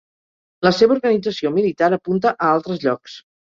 La seva organització militar apunta a altres llocs.